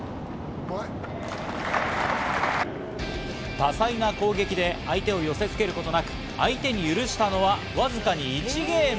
多彩な攻撃で相手を寄せ付けることなく相手に許したのはわずかに１ゲーム。